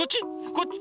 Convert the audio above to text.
こっち？